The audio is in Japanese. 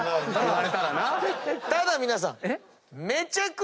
ただ皆さん。